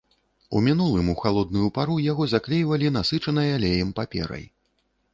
У мінулым у халодную пару яго заклейвалі насычанай алеем паперай.